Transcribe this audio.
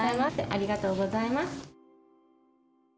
ありがとうございます。